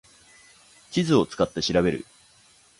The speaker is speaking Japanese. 地図を使って調べる